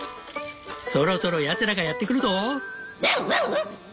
そろそろやつらがやって来るぞ！